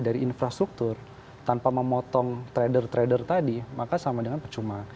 dari infrastruktur tanpa memotong trader trader tadi maka sama dengan percuma